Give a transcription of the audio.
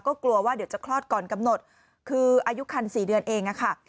ก็กลัวว่าเดี๋ยวจะคลอดก่อนกำหนดคืออายุคัน๔เดือนเองอะค่ะ